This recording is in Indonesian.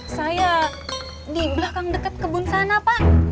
saya di belakang dekat kebun sana pak